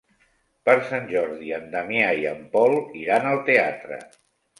Per Sant Jordi en Damià i en Pol iran al teatre.